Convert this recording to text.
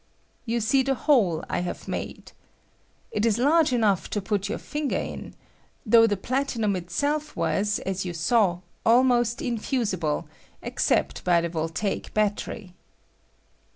You see the hole I have made. It is large enough to put your finger in, though the platinum itself was, as you saw, almost infusible, except by the voltaic battery.